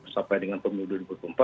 sampai dengan pemilu dua ribu empat